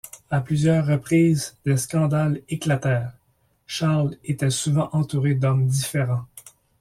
À plusieurs reprises des scandales éclatèrent, Charles était souvent entouré d'hommes différents.